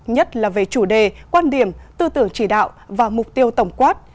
nhất là về chủ đề quan điểm tư tưởng chỉ đạo và mục tiêu tổng quát